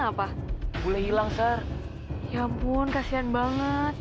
apaan ini eh lepasin